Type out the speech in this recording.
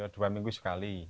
dua minggu sekali